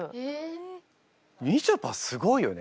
みちょぱすごいよね。